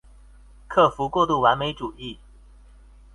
克服過度完美主義